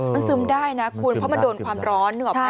มันซึมได้นะคุณเพราะมันโดนความร้อนนึกออกไหม